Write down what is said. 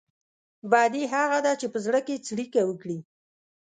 بدي هغه ده چې په زړه کې څړيکه وکړي.